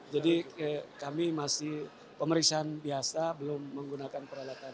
jadi kami masih pemeriksaan biasa belum menggunakan peralatan